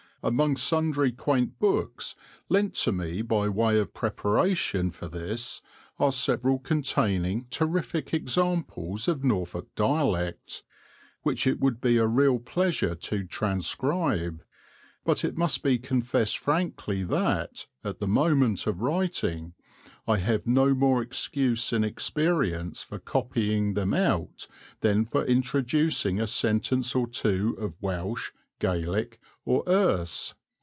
Among sundry quaint books lent to me by way of preparation for this are several containing terrific examples of Norfolk dialect, which it would be a real pleasure to transcribe, but it must be confessed frankly that, at the moment of writing, I have no more excuse in experience for copying them out than for introducing a sentence or two of Welsh, Gaelic, or Erse.